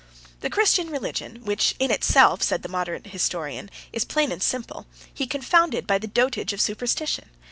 "The Christian religion, which, in itself," says that moderate historian, "is plain and simple, he confounded by the dotage of superstition.